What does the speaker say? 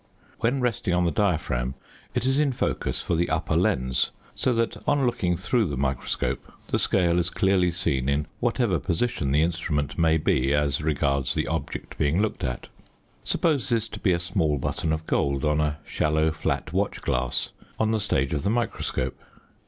When resting on the diaphragm it is in focus for the upper lens, so that on looking through the microscope, the scale is clearly seen in whatever position the instrument may be as regards the object being looked at. Suppose this to be a small button of gold on a shallow, flat watch glass, on the stage of the microscope.